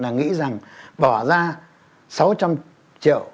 nghĩ rằng bỏ ra sáu trăm linh triệu